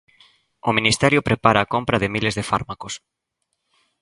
O Ministerio prepara a compra de miles de fármacos.